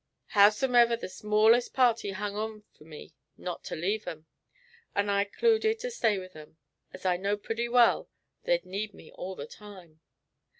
Howsomever, the smallest party hung on fur me not to leave 'em, and I 'cluded to stay with 'em as I knowed purty well they'd need me all the time.